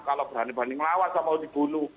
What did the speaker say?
kalau berani banding melawan saya mau dibunuh